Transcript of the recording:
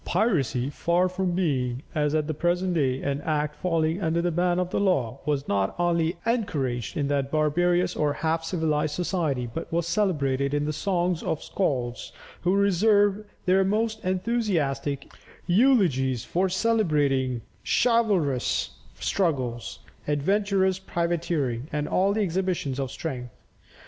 [Illustration: Norman Ships.] Piracy, far from being, as at the present day, an act falling under the ban of the law, was not only encouraged in that barbarous or half civilized society, but was celebrated in the songs of the Skalds, who reserved their most enthusiastic eulogies for celebrating chivalrous struggles, adventurous privateering, and all exhibitions of strength.